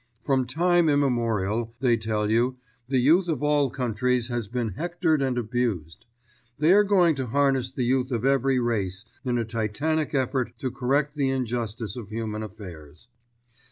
From time immemorial, they tell you, the youth of all countries has been hectored and abused; they are going to harness the youth of every race in a titanic effort to correct the injustice of human affairs.